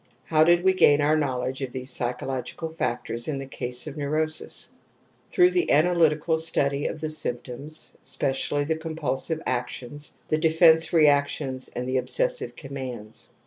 How did we gain our knowledge of these psychological factors in the case of neurosis ? Through the analytical study of the symptoms, especially the compulsive actions, the defence reactions and the obsessive commands.